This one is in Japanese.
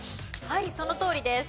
はいそのとおりです。